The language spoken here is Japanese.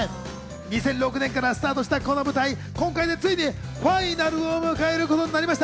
２００６年からスタートしたこの舞台、今回でついにファイナルを迎えることになりました。